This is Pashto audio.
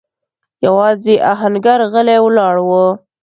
يواځې آهنګر غلی ولاړ و.